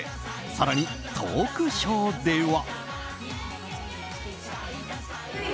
更にトークショーでは。